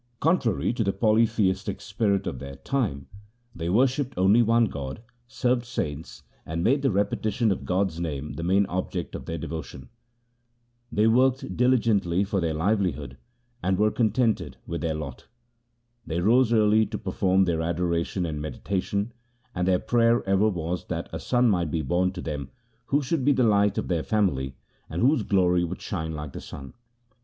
Contrary to the polytheistic spirit of their time, they worshipped only one God, served saints, and made the repetition of God's name the main object of their devotion. They worked diligently for their 88 THE SIKH RELIGION livelihood, and were contented with their lot. They rose early to perform their adoration and meditation, and their prayer ever was that a son might be born to them who should be the light of their family, and whose glory should shine like the sun.